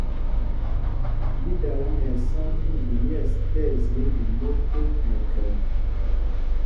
Mi dala nɛ ɛsá mímbi myɛ̂ɛs tí ɛzye mbi mot tek mɛkhɛm.